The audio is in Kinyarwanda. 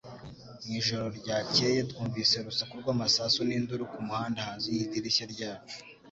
Mu ijoro ryakeye, twumvise urusaku rw'amasasu n'induru ku muhanda hanze y'idirishya ryacu